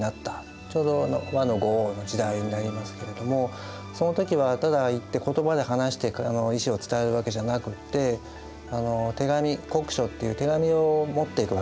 ちょうど倭の五王の時代になりますけれどもその時はただ行って言葉で話して意思を伝えるわけじゃなくって手紙国書っていう手紙を持っていくわけです。